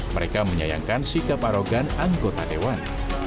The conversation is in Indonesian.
mereka menyayangkan sikap arogan anggota dewan